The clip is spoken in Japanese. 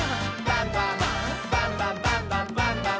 バンバン」「バンバンバンバンバンバン！」